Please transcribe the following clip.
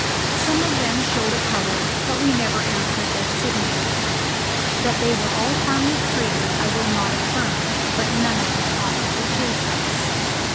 Some of them showed a colour, but we never answered their signals. That they were all harmless traders I will not affirm; but none of them offered to chase us.